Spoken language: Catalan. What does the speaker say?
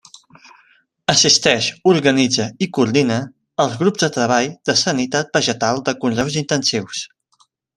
Assisteix, organitza i coordina els grups de treball de sanitat vegetal de conreus intensius.